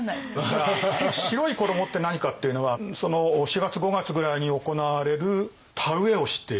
白い衣って何かっていうのはその４月５月ぐらいに行われる田植えをしている。